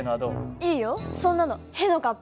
いいよそんなのへのかっぱ！